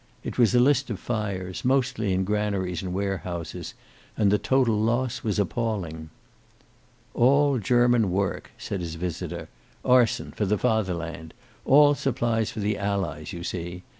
It was a list of fires, mostly in granaries and warehouses, and the total loss was appalling. "All German work," said his visitor. "Arson, for the Fatherland. All supplies for the Allies, you see.